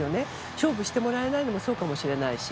勝負してもらえないのもそうかもしれないし。